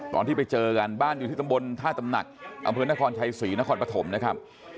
ตอนที่ไปเจอกันบ้านอยู่ที่ตำบลท่าตำหนักอำเภอนครชัยศรีนครปฐมนะครับ